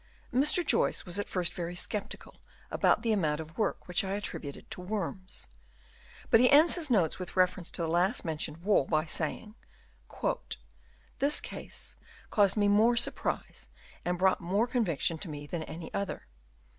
Mr. Joyce was at first very sceptical about the amount of work which I attributed to worms ; but he ends his notes with reference to the last mentioned wall by saying, " This " case caused me more surprise and brought " more conviction to me than any other.